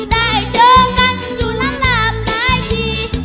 ได้เจอกันสู่ร้านหลามหลายที